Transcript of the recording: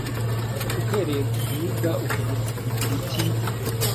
uhereye ku Muyuda, ukageza ku Mugiriki: